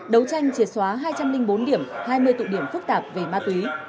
đấu tranh triệt xóa hai trăm linh bốn điểm hai mươi tụ điểm phức tạp về ma túy